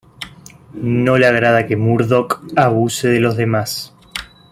No le agrada que Murdoc abuse de los demás.